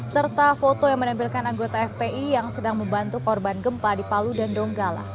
serta foto yang menampilkan anggota fpi yang sedang membantu korban gempa di palu dan donggala